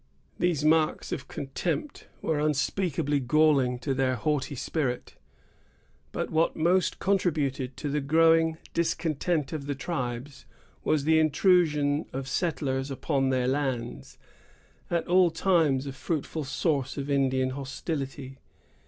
These marks of contempt were unspeakably galling to their haughty spirit. But what most contributed to the growing discontent of the tribes was the intrusion of settlers upon their lands, at all times a fruitful source of Indian hostility.